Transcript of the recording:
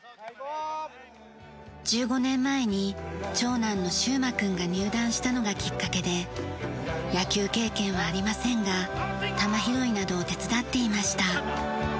１５年前に長男の柊眞君が入団したのがきっかけで野球経験はありませんが球拾いなどを手伝っていました。